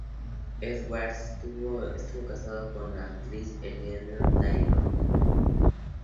Edwards estuvo casado con la actriz Eleanor Taylor.